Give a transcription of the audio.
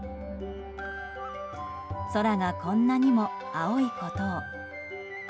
空がこんなにも青いことを。